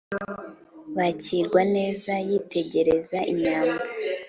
bakirwa neza yitegereza inyambo